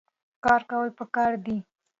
کار کول پکار دي